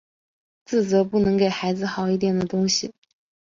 自责不能给孩子好一点的东西